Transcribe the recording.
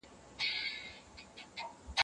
موږ باید د خپلو حقایقو ساتنه وکړو.